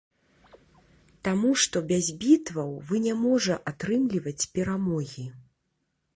Таму, што без бітваў вы не можа атрымліваць перамогі.